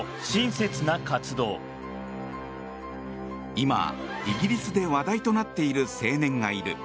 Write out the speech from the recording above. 今、イギリスで話題となっている青年がいる。